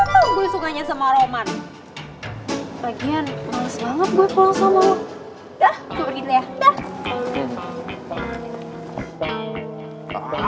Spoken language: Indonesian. dah gue pergi dulu ya